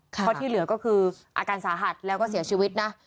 เพราะที่เหลือก็คืออาการสาหัสแล้วก็เสียชีวิตนะ